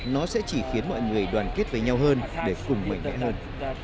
nó sẽ chỉ khiến mọi người đoàn kết với nhau hơn để cùng mạnh mẽ hơn